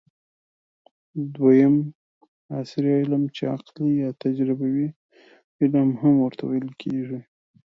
دویم : عصري علم چې عقلي یا تجربوي علم هم ورته ويل کېږي